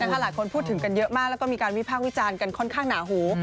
หลายผู้พูดถึงกันเยอะมากและก็มีการวิภาพวิจารณ์ค่อนข้างหนาหู